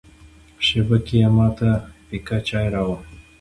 شېبه کې یې ما ته پیکه چای راوړ.